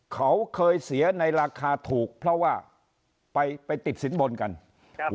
เขาเคยเสียในราคาถูกเพราะว่าไปไปติดสินบนกันครับ